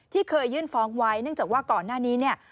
ที่เคยยื่นฟ้องไว้เนื่องจากว่าก่อนหน้านี้เนี่ย